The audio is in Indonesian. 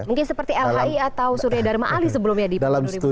mungkin seperti lhi atau surya dharma ali sebelumnya di pemilu dua ribu empat belas